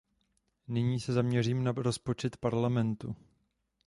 Nyní se zaměřím na rozpočet Parlamentu.